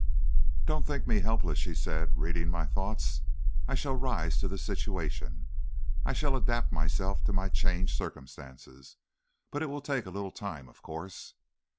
"Don't think me helpless," she said, reading my thoughts; "I shall rise to the situation, I shall adapt myself to my changed circumstances, but it will take a little time, of course."